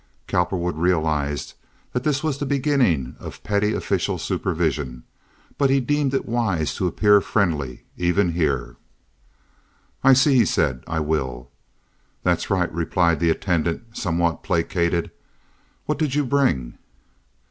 Cowperwood realized that this was the beginning of petty official supervision; but he deemed it wise to appear friendly even here. "I see," he said. "I will." "That's right," replied the attendant, somewhat placated. "What did you bring?"